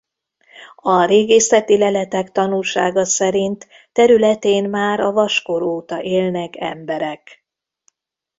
A régészeti leletek tanúsága szerint területén már a vaskor óta élnek emberek.